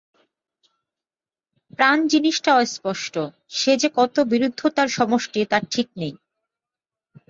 প্রাণ-জিনিসটা অস্পষ্ট, সে যে কত বিরুদ্ধতার সমষ্টি তার ঠিক নেই।